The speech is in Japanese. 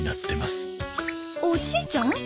おじいちゃん？